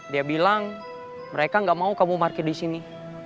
dia bilang mereka nggak mau kamu market di sini